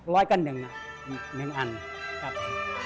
ร้อยกันหนึ่งนะ๑อันครับ